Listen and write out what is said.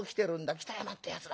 北山ってやつだ。